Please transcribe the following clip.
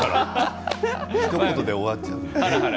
ひと言で終わっちゃう。